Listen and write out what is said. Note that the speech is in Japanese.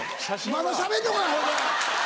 まだしゃべんのかいほいで！